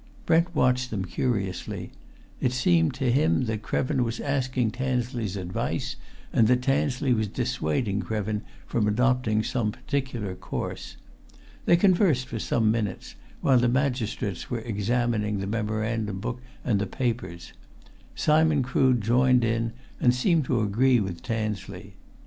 Brent watched them curiously; it seemed to him that Krevin was asking Tansley's advice, and that Tansley was dissuading Krevin from adopting some particular course. They conversed for some minutes, while the magistrates were examining the memorandum book and the papers. Simon Crood joined in, and seemed to agree with Tansley.